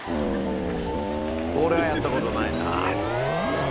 これはやった事ないな。